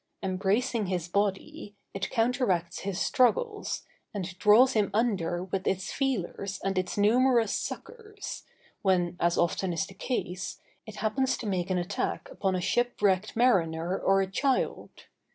Embracing his body, it counteracts his struggles, and draws him under with its feelers and its numerous suckers, when, as often is the case, it happens to make an attack upon a shipwrecked mariner or a child.